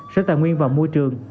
sở tài nguyên và môi trường